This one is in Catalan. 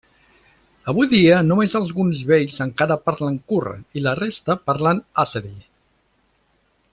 Avui dia només alguns vells encara parlen kurd i la resta parlen àzeri.